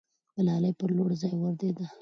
ملالۍ پر لوړ ځای ودرېده.